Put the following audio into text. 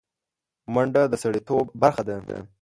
منډه د سړيتوب برخه ده